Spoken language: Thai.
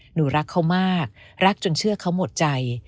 หนูรักเขามากรักจนเชื่อเขาหมดใจ